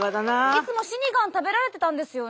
いつもシニガン食べられてたんですよね。